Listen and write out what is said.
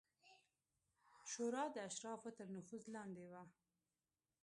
شورا د اشرافو تر نفوذ لاندې وه